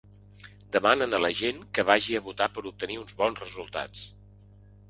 Demanen a la gent que vagi a votar per obtenir uns bons resultats